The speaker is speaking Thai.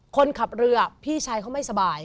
คนขับเรือพี่ชายเขาไม่สบาย